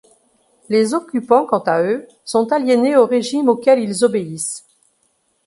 Les occupants, quant à eux, sont aliénés au régime auquel ils obéissent.